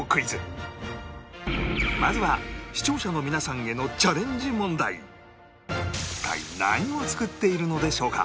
まずは視聴者の皆さんへの一体何を作っているのでしょうか？